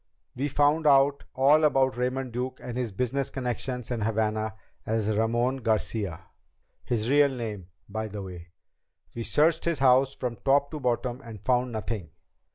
"We found out all about Raymond Duke and his business connection in Havana as Ramon Garcia, his real name by the way. We searched his house from top to bottom and found nothing.